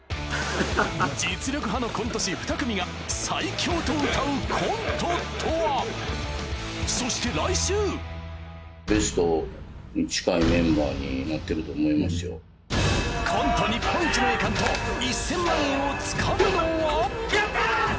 実力派のコント師２組が最強とうたうコントとはそして来週コント日本一の栄冠と１０００万円をつかむのは？